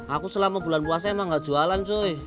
aku selama bulan puasa emang gak jualan cuy